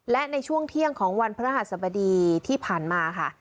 และในช่วงเที่ยงของวันพระหัสบดีที่ผ่านมาค่ะ